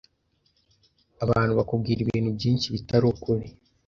Abantu bakubwira ibintu byinshi bitari ukuri.